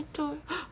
あっ。